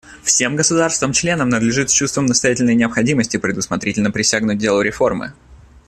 Всем государствам-членам надлежит с чувством настоятельной необходимости предусмотрительно присягнуть делу реформы.